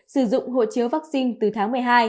sử dụng hộ chiếu vaccine từ tháng một mươi hai